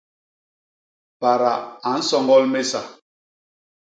Pada a nsoñgol mésa.